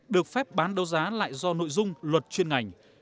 được phép bán đấu giá lại do nội dung luật chuyên ngành